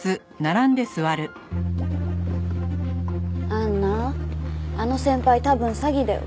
杏奈あの先輩多分詐欺だよ。